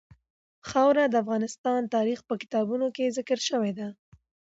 خاوره د افغان تاریخ په کتابونو کې ذکر شوي دي.